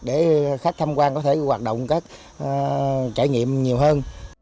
để khách tham quan có thể hoạt động trải nghiệm nhiều hơn